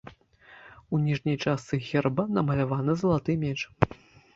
У ніжняй частцы герба намаляваны залаты меч.